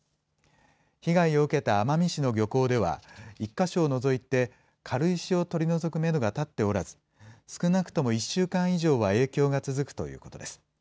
被害を受けた奄美市の漁港では、１か所を除いて、軽石を取り除くメドが立っておらず、少なくとも１週間以上は影響が続くということです。